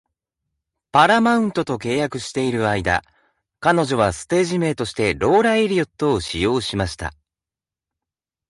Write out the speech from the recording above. パラマウントと契約している間、彼女はステージ名としてローラエリオットを使用しました。